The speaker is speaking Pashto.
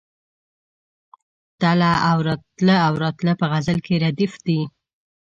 تله او راتله په غزل کې ردیف دی.